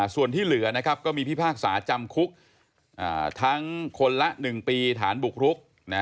ส่วนที่เหลือก็มีพิพากษาจำคุกทั้งคนละ๑ปีฐานบุกรุก